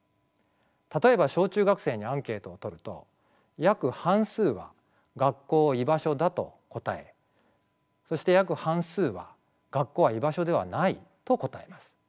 例えば小中学生にアンケートをとると約半数は学校を居場所だと答えそして約半数は学校は居場所ではないと答えます。